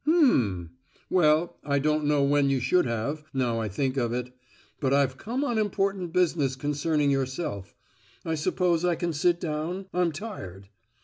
"H'm! Well, I don't know when you should have, now I think of it; but I've come on important business concerning yourself. I suppose I can sit down? I'm tired."